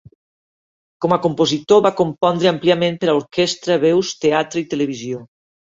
Com a compositor, va compondre àmpliament per a orquestra, veus, teatre i televisió.